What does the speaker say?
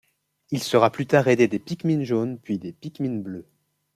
Il sera plus tard aidé des Pikmin jaunes puis des Pikmin bleus.